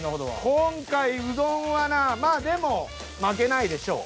今回うどんはな。まあでも負けない？